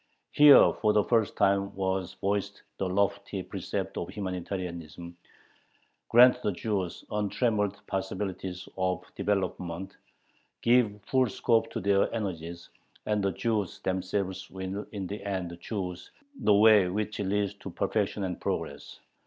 Here for the first time was voiced the lofty precept of humanitarianism: grant the Jews untrammeled possibilities of development, give full scope to their energies, and the Jews themselves will in the end choose the way which leads to "perfection" and progress....